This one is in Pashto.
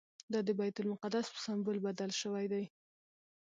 دا د بیت المقدس په سمبول بدل شوی دی.